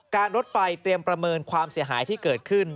รถไฟเตรียมประเมินความเสียหายที่เกิดขึ้น